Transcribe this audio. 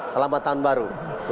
selamat tahun baru dua ribu tujuh belas